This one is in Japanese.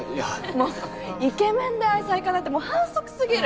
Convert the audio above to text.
もうイケメンで愛妻家なんてもう反則すぎる。